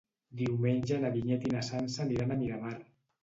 Diumenge na Vinyet i na Sança aniran a Miramar.